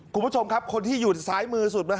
คุณผู้ชมครับคนที่อยู่ซ้ายมือสุด